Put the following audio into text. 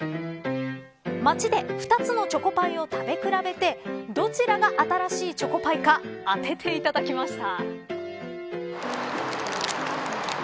街で２つのチョコパイを食べ比べてどちらが新しいチョコパイか当てていただきました。